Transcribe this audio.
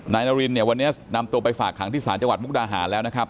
นารินเนี่ยวันนี้นำตัวไปฝากขังที่ศาลจังหวัดมุกดาหารแล้วนะครับ